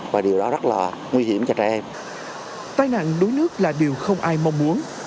và điều đó rất là nguy hiểm cho trẻ em tai nạn đuối nước là điều không ai mong muốn